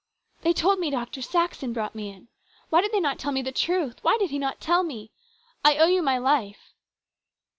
"They told me Dr. Saxon brought me in. Why did they not tell me the truth ? Why did he not tell me ? I owe you my life."